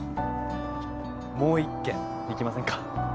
もう１軒行きませんか？